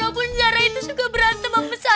aku juga kuatir sama rafa